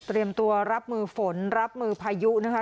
ตัวรับมือฝนรับมือพายุนะคะ